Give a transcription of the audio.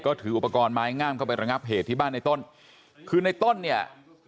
ก็ถืออุปกรณ์ไม้งามเข้าไประงับเหตุที่บ้านในต้นคือในต้นเนี่ย